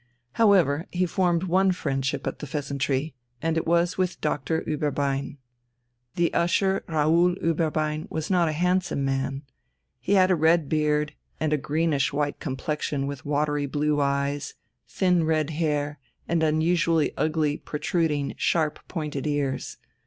However, he formed one friendship at the "Pheasantry," and it was with Doctor Ueberbein. The Usher Raoul Ueberbein was not a handsome man. He had a red beard and a greenish white complexion with watery blue eyes, thin red hair, and unusually ugly, protruding, sharp pointed ears.